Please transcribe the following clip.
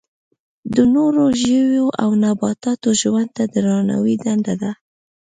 د نورو ژویو او نباتاتو ژوند ته درناوی دنده ده.